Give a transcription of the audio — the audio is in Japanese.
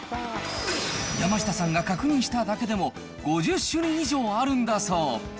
山下さんが確認しただけでも、５０種類以上あるんだそう。